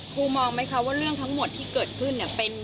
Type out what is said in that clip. ครูมองไหมคะว่าเรื่องทั้งหมดที่เกิดขึ้นเนี่ย